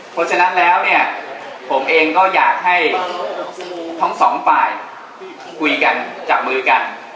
เพราะฉะนั้นแล้วเนี่ยผมเองก็อยากให้ทั้งสองฝ่ายคุยกันจับมือกัน